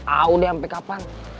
aduh sampe kapan